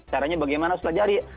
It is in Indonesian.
caranya bagaimana harus belajar ya